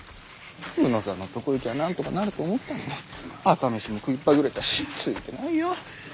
卯之さんのとこ行きゃなんとかなると思ったのに朝飯も食いっぱぐれたしついてないよ。